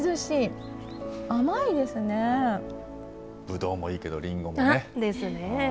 ぶどうもいいけど、りんごもね。